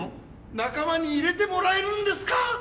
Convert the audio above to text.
仲間に入れてもらえるんですか？